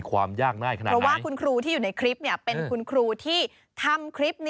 ของดูลเมค์ลักษณ์๓